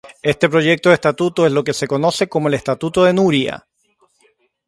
Este proyecto de Estatuto es lo que se conoce como el Estatuto de Núria.